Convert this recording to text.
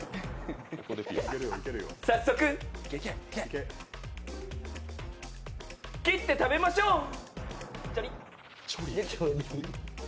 早速、切って食べましょう、チョリッ。